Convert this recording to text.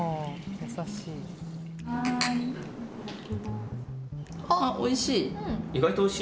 優しい。